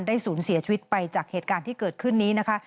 ศูนย์เสียชีวิตไปจากเหตุการณ์ที่เกิดขึ้นนี้นะคะ